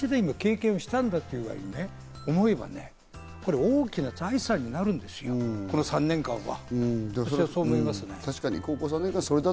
それを経験したんだと思えばね、大きな財産になるんですよ、この３年間は。